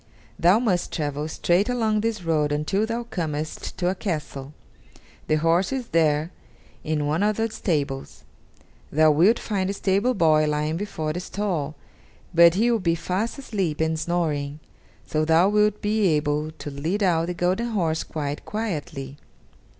Thou must travel straight along this road until thou comest to a castle; the horse is there in one of the stables. Thou wilt find a stable boy lying before the stall, but he will be fast asleep and snoring, so thou wilt be able to lead out the golden horse quite quietly.